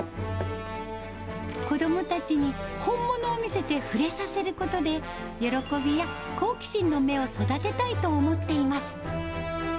子どもたちに、本物を見せて触れさせることで、喜びや好奇心の芽を育てたいと思っています。